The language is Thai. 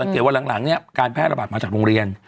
เหตุว่าหลังการแพทย์ระบาดมาจากโรงเรียน